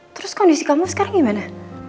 terus kondisi kamu sekarang gimana